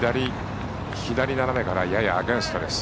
左斜めからややアゲンストです。